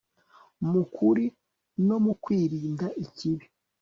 mu kuri no mu kwirinda ikibi